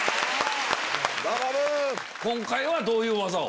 今回はどういう技を？